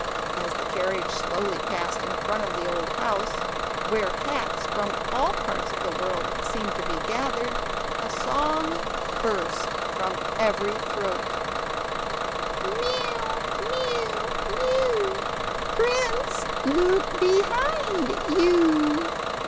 As the carriage slowly passed in front of the old house, where cats from all parts of world seemed to be gathered a song burst from every throat: Mew, mew, mew! Prince, look quick behind you!